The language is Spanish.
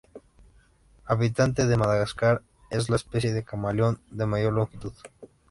Habitante de Madagascar, es la especie de camaleón de mayor longitud.